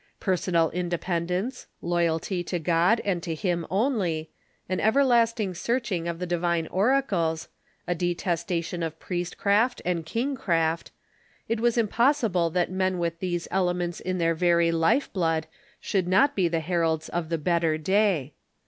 Personal independence, loyalty to God, and to him only, an everlasting searching of the divine oracles, a detestation of priestcraft and kingcraft — it was impossible that men with these elements in their very life blood should not be the her alds of the Better Day.